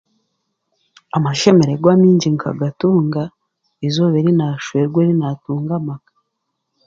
Amashemeregwa amaingi ngagatunga eizooba eri naashwerwa eri naatunga amaka